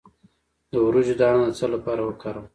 د وریجو دانه د څه لپاره وکاروم؟